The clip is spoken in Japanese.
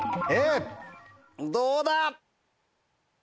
どうだ？